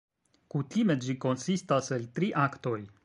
Kutime ĝi konsistas el tri aktoj.